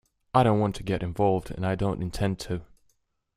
I don’t want to get involved, and I don't intend to.